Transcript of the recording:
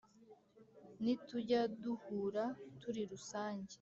nitujya duhura turi rusange